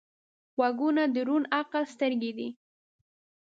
غوږونه د روڼ عقل سترګې دي